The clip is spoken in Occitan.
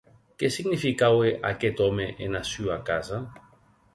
Qué significaue aqueth òme ena sua casa?